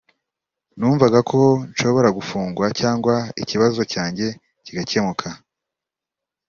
numvaga ko nshobora gufungwa cyangwa ikibazo cyanjye kigakemuka